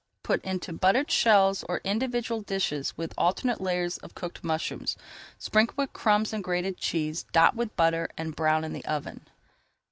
Put into buttered shells or individual dishes with alternate layers of cooked mushrooms. Sprinkle with crumbs and grated cheese, dot with butter and brown in the oven.